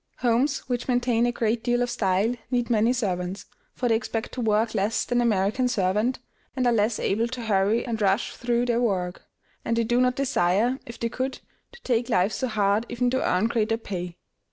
Homes which maintain a great deal of style need many servants, for they expect to work less than the American servant, and are less able to hurry and rush through their work; and they do not desire, if they could, to take life so hard, even to earn greater pay.